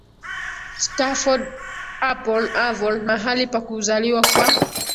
Stratford upon Avon mahali pa kuzaliwa kwa